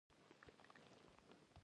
لور یې نه وه اریان ولاړل.